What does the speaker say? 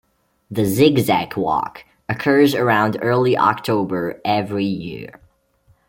The "Zig Zag Walk" occurs around early October every year.